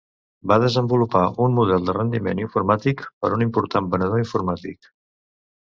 Va desenvolupar un model de rendiment informàtic per un important venedor informàtic.